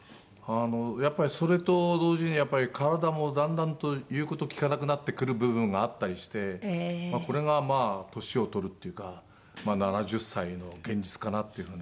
やっぱりそれと同時に体もだんだんと言う事聞かなくなってくる部分があったりしてこれがまあ年を取るっていうか７０歳の現実かなっていう風な。